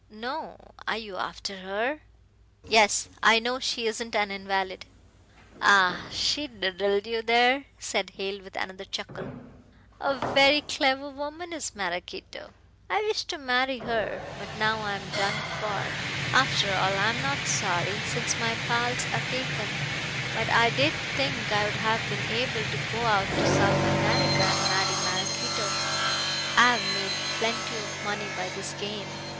"No. Are you after her?" "Yes, I know she isn't an invalid." "Ah, she diddled you there," said Hale with another chuckle, "a very clever woman is Maraquito. I wished to marry her, but now I'm done for. After all, I'm not sorry, since my pals are taken. But I did think I'd have been able to go to South America and marry Maraquito. I've made plenty of money by this game.